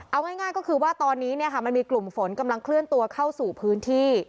เอาง่ายก็คือว่าตอนนี้มันมีกลุ่มฝนกำลังเคลื่อนตัวเข้าสู่พื้นที่